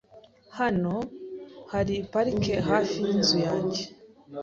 Hano hari parike hafi yinzu yanjye .